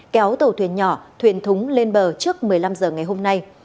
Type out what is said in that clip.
kéo tàu thuyền nhỏ thuyền thúng lên bờ trước một mươi năm h ngày hôm nay